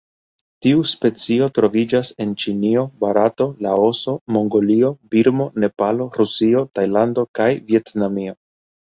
Tiu specio troviĝas en Ĉinio, Barato, Laoso, Mongolio, Birmo, Nepalo, Rusio, Tajlando kaj Vjetnamio.